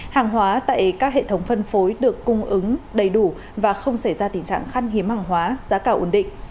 hàng hóa tại các hệ thống phân phối được cung ứng đầy đủ và không xảy ra tình trạng khăn hiếm hàng hóa giá cả ổn định